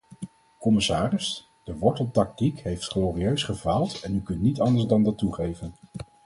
Commissaris, de worteltactiek heeft glorieus gefaald en u kunt niet anders dan dat toegeven.